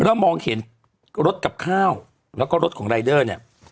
แล้วมองเห็นรถกับข้าวแล้วก็รถของรายเดอร์เนี่ย